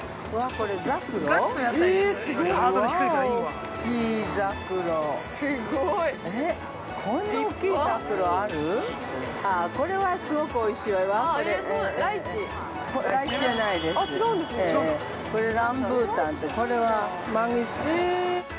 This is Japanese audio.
これはランブータンとこれはマンギス。